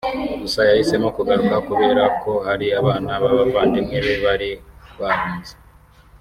Gusa yahisemo kugaruka kubera ko hari abana b’abavandimwe be bari bahunze